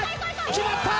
決まった！